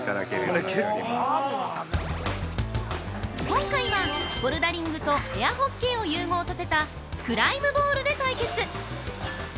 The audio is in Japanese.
◆今回は、ボルダリングとエアホッケーを融合させたクライムボールで対決！